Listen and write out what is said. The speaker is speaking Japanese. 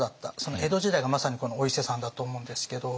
江戸時代がまさにこのお伊勢さんだと思うんですけど。